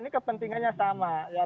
kepentingannya sama ya